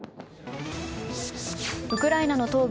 ウクライナの東部